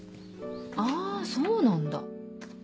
あそうなんだ。